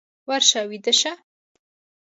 ورشه ويده شه!